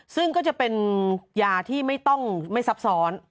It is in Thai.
ซึ่งก็จะเป็นยาที่ไม่ต้องไม่ซับซ้อน